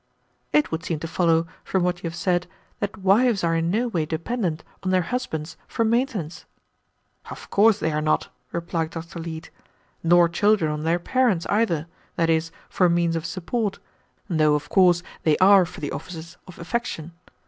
"It would seem to follow, from what you have said, that wives are in no way dependent on their husbands for maintenance." "Of course they are not," replied Dr. Leete, "nor children on their parents either, that is, for means of support, though of course they are for the offices of affection.